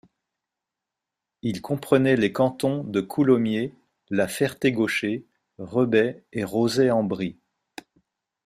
Il comprenait les cantons de Coulommiers, la Ferté-Gaucher, Rebais et Rozay-en-Brie.